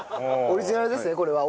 オリジナルですねこれは。